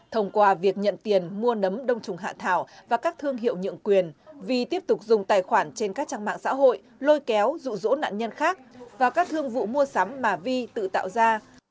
thông qua việc nhận tiền mua nấm đông trùng hạ thảo và các thương hiệu nhượng quyền vi tiếp tục dùng tài khoản trên các trang mạng xã hội lôi kéo rụ rỗ nạn nhân khác và các thương vụ mua sắm mà vi tự tạo ra